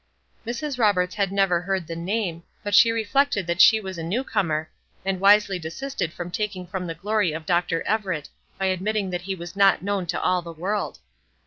Mrs. Roberts had never heard the name, but she reflected that she was a new comer, and wisely desisted from taking from the glory of Dr. Everett by admitting that he was not known to all the world.